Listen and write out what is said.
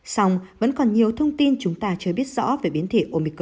xong vẫn còn nhiều thông tin chúng ta chưa biết rõ về biến thể omico